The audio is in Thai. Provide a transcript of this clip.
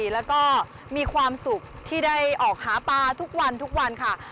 แล้วก็มีความสุขที่ได้ออกหาปลาทุกวันทุกวันค่ะ